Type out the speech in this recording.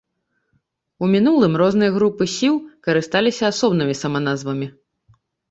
У мінулым розныя групы сіў карысталіся асобнымі саманазвамі.